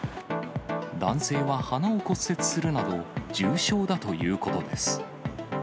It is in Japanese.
男性は鼻を骨折するなど、重傷だということです。